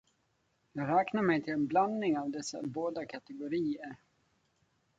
Jag räknar mig till en blandning av dessa båda kategorier.